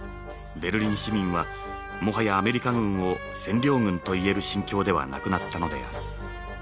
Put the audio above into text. ベルリン市民はもはやアメリカ軍を占領軍といえる心境ではなくなったのである。